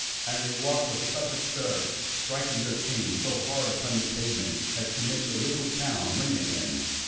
And they walked with such a stir, striking their canes so hard upon the pavement, as to make the little town ring again.